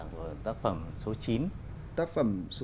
của tác phẩm số chín